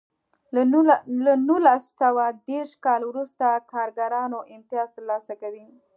له نولس سوه دېرش کال وروسته کارګرانو امتیاز ترلاسه کوی.